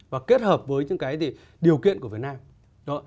và kết hợp với những cái điều kiện của việt nam